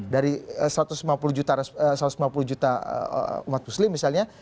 dari satu ratus lima puluh juta umat muslim misalnya